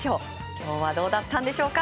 今日はどうだったんでしょうか。